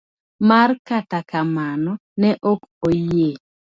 D. mar Kata kamano, ne ok oyie.